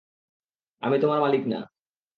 আমি তোমার মালিক না।